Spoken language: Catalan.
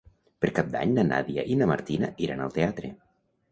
Per Cap d'Any na Nàdia i na Martina iran al teatre.